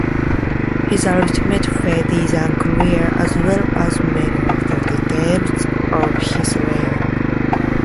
His ultimate fate is unclear-as well as many of the details of his reign.